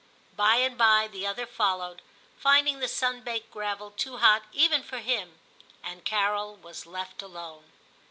By and by the other followed, finding the sun baked gravel too hot even for him, and Carol was left alone.